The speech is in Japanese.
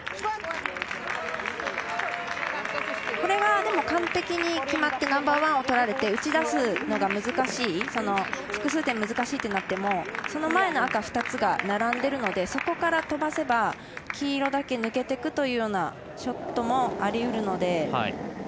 これが、でも完璧に決まってナンバーワンを取られて、打ち出すのが複数点、難しいってなってもその前の赤２つが並んでいるのでそこから飛ばせば黄色だけ抜けていくというようなショットもありうるので。